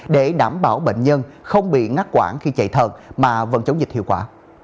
để đảm bảo bệnh nhân không bị ngắt quản khi chạy thận mà vẫn chống dịch hiệu quả